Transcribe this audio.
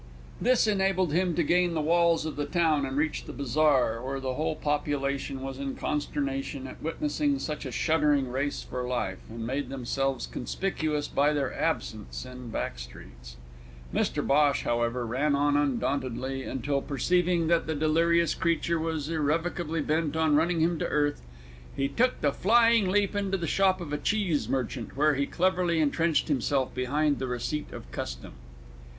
This enabled him to gain the walls of the town and reach the bazaar, where the whole population was in consternation at witnessing such a shuddering race for life, and made themselves conspicuous by their absence in back streets. Mr Bhosh, however, ran on undauntedly, until, perceiving that the delirious creature was irrevocably bent on running him to earth, he took the flying leap into the shop of a cheese merchant, where he cleverly entrenched himself behind the receipt of custom.